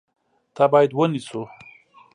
تا باید ونیسو !